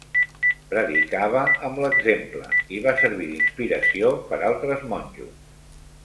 Predicava amb l'exemple i va servir d'inspiració per altres monjos.